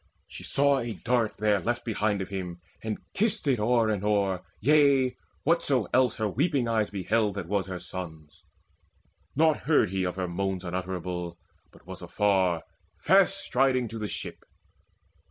She saw a dart there left behind of him, And kissed it o'er and o'er yea, whatso else Her weeping eyes beheld that was her son's. Naught heard he of her moans unutterable, But was afar, fast striding to the ship.